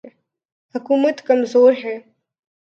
حکومت کمزور ہے۔